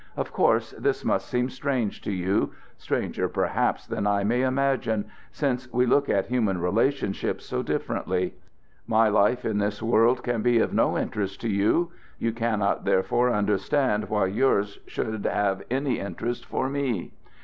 Of course this must seem strange to you stranger, perhaps, than I may imagine, since we look at human relationships so differently. My life in this world can be of no interest to you. You cannot, therefore, understand why yours should have any interest for me.